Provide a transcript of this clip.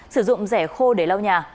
sử dụng rẻ khô để lau nhà